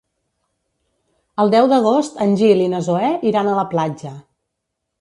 El deu d'agost en Gil i na Zoè iran a la platja.